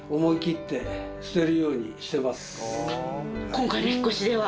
今回の引っ越しでは？